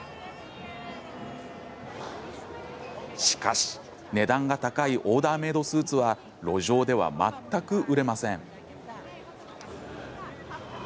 しかし、値段が高いオーダーメードスーツは路上では全く売れません。